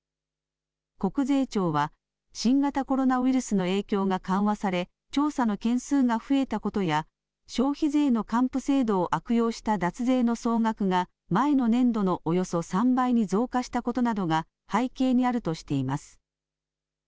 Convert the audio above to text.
国税庁は、新型コロナウイルスの影響が緩和され、調査の件数が増えたことや、消費税の還付制度を悪用した脱税の総額が、前の年度のおよそ３倍に増加したことなどが、背景にあるとしています。